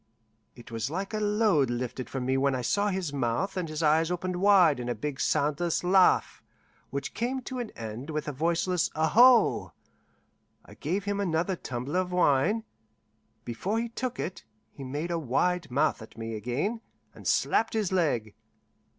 It was like a load lifted from me when I saw his mouth and eyes open wide in a big soundless laugh, which came to an end with a voiceless aho! I gave him another tumbler of wine. Before he took it, he made a wide mouth at me again, and slapped his leg.